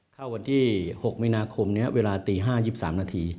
เข้าวันที่๖มีนาคมนี้เวลาตี๕๒๓นาที